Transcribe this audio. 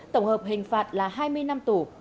tổng hợp hình phạt là hai mươi năm tù